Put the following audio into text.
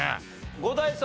伍代さん